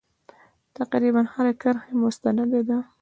تقریبا هره کرښه یې مستنده ده.